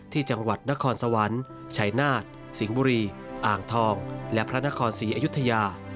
ที่จังหวัดนครสวรรค์ชัยนาฏสิงห์บุรีอ่างทองและพระนครศรีอยุธยา